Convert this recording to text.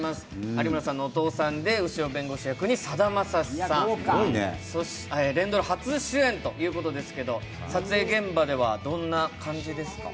有村さんのお父さんで、潮弁護士役のさだまさしさん、連ドラ初出演ということですけれども撮影現場ではどんな感じですか？